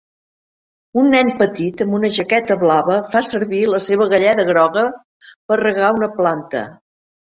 Un nen petit amb una jaqueta blava fa servir la seva galleda groga per regar una planta.